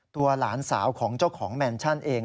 หลานสาวของเจ้าของแมนชั่นเอง